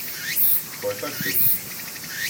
Folytatjuk?